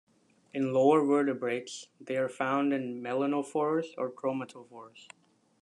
In lower vertebrates, they are found in melanophores or chromatophores.